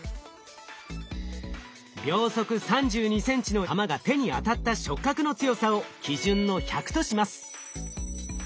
秒速３２ｃｍの球が手に当たった触覚の強さを基準の１００とします。